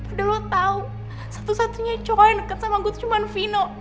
udah lo tau satu satunya coba yang deket sama gue cuma vino